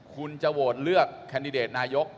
คุณจะโหวตเลือกแคนดิเดตนายก